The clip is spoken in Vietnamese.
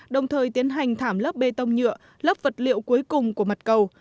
đồng thời tiến hành thảm lấp bê tông nhựa lấp vật liệu cuối cùng của mặt cầu